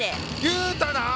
言うたなあ！